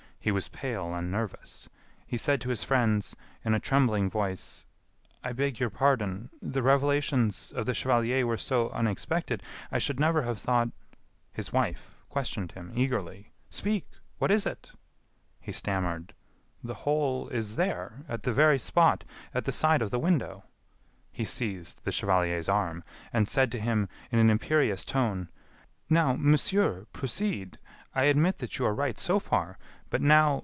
He was pale and nervous. He said to his friends, in a trembling voice: "I beg your pardon.... the revelations of the chevalier were so unexpected....I should never have thought...." His wife questioned him, eagerly: "Speak.... what is it?" He stammered: "The hole is there, at the very spot, at the side of the window " He seized the chevalier's arm, and said to him in an imperious tone: "Now, monsieur, proceed. I admit that you are right so far, but now....